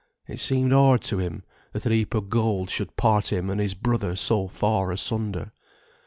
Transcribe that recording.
It seemed hard to him that a heap of gold should part him and his brother so far asunder.